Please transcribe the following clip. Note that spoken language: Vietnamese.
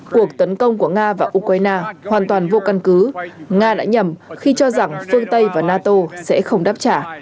cuộc tấn công của nga và ukraine hoàn toàn vô căn cứ nga đã nhầm khi cho rằng phương tây và nato sẽ không đáp trả